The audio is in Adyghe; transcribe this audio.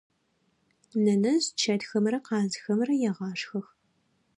Нэнэжъ чэтхэмрэ къазхэмрэ егъашхэх.